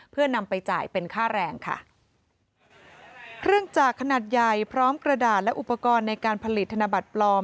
เพื่อนำไปจ่ายเป็นค่าแรงค่ะเครื่องจากขนาดใหญ่พร้อมกระดาษและอุปกรณ์ในการผลิตธนบัตรปลอม